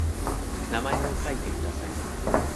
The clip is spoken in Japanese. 名前を書いてください。